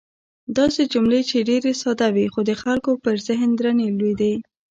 داسې جملې چې ډېرې ساده وې، خو د خلکو پر ذهن درنې لوېدې.